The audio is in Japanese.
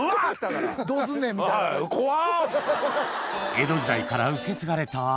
江戸時代から受け継がれた味